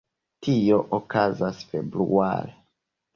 Tio okazas februare.